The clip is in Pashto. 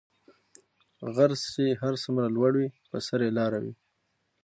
غر څه هر څومره لوړ وی په سر ئي لاره وی